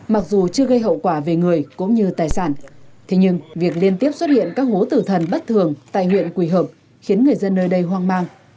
mặc dù chưa gây hậu quả về người cũng như tài sản thế nhưng việc liên tiếp xuất hiện các hố tử thần bất thường tại huyện quỳ hợp khiến người dân nơi đây hoang mang